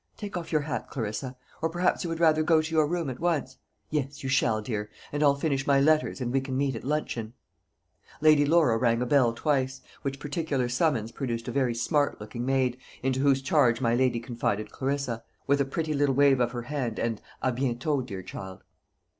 Take off your hat, Clarissa; or perhaps you would rather go to your room at once. Yes, you shall, dear; and I'll finish my letters, and we can meet at luncheon." Lady Laura rang a bell twice; which particular summons produced a very smart looking maid, into whose charge my lady confided Clarissa, with a pretty little wave of her hand, and "à bientôt, dear child."